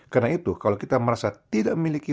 karena itu kalau kita merasa tidak memiliki